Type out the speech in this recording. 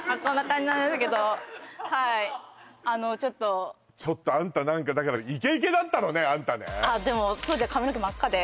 はいあのちょっとちょっとあんたイケイケだったのねあんたね